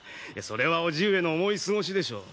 それは叔父上の思い過ごしでしょう。